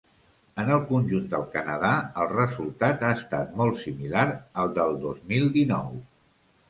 En el conjunt del Canadà, el resultat ha estat molt similar al del dos mil dinou.